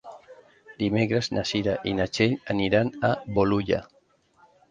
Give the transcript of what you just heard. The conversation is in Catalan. Dimecres na Cira i na Txell aniran a Bolulla.